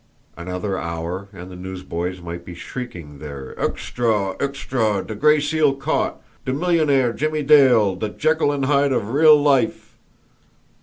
Another hour, and the newsboys might be shrieking their "Uxtra! Uxtra! De Gray Seal caught! De millionaire Jimmie Dale de Jekyll an' Hyde of real life!"